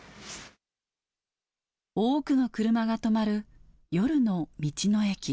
多くの車が止まる夜の道の駅。